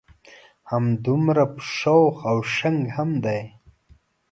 همدمره شوخ او شنګ هم دی.